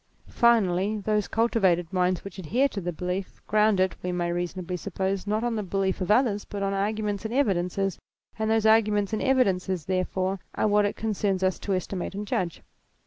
Finally, those cultivated minds which ad here to the belief ground it, we may reasonably sup pose, not on the belief of others, but on arguments and evidences ; and those arguments and evidences, therefore, are what it concerns us to estimate and judge.